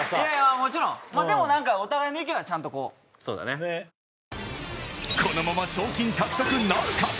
もちろんでも何かお互いの意見はちゃんとこうそうだねこのまま賞金獲得なるか？